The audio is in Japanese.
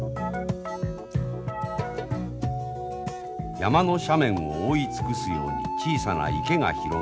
山の斜面を覆い尽くすように小さな池が広がります。